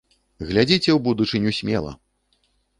Глядзіце ў будучыню смела!